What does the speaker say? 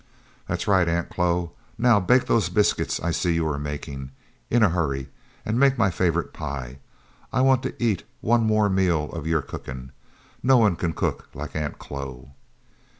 "That's right, Aunt Chloe. Now bake those biscuits I see you are making, in a hurry. And make my favorite pie. I want to eat one more meal of your cooking. No one can cook like Aunt Chloe."